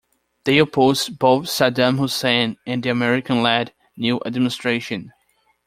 They opposed both Saddam Hussein and the American-led new administration.